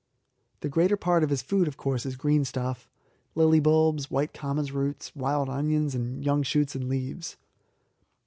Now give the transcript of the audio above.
The greater part of his food, of course, is greenstuff lily bulbs, white camas roots, wild onions, and young shoots and leaves.